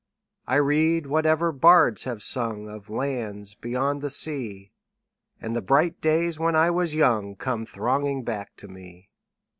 I read whatever bards have sung Of lands beyond the sea, 10 And the bright days when I was young Come thronging back to me.